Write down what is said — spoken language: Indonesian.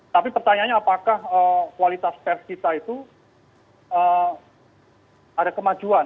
tapi pertanyaannya apakah kualitas pers kita itu ada kemajuan